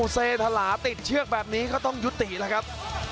เซธลาติดเชือกแบบนี้ก็ต้องยุติแล้วครับ